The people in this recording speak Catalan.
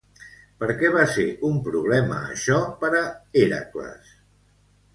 Per què va ser un problema això per a Hèracles?